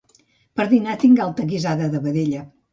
Per dinar tinc galta guisada de vedella